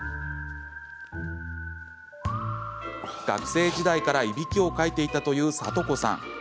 学生時代から、いびきをかいていたというサトコさん。